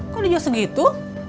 kok dijual segitu